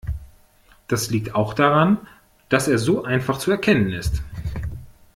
Das liegt auch daran, dass er so einfach zu erkennen ist.